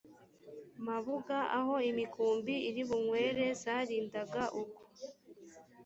mabuga aho imikumbi iri bunywere zarindaga uko